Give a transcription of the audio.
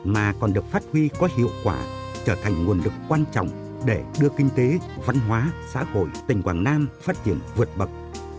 mà còn được phát huy có hiệu quả trở thành nguồn lực quan trọng để đưa kinh tế văn hóa xã hội tỉnh quảng nam phát triển vượt bậc